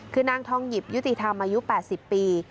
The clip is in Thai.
คือนางทองหยิบยุติธรรมอายุ๘๐ปี